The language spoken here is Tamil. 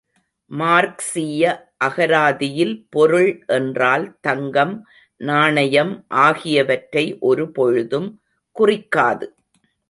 மார்க்சீய அகராதியில் பொருள் என்றால் தங்கம் நாணயம் ஆகியவற்றை ஒரு பொழுதும் குறிக்காது.